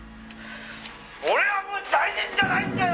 「俺はもう罪人じゃないんだよ！